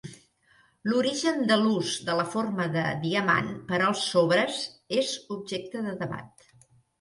L'origen de l'ús de la forma de diamant per als sobres és objecte de debat.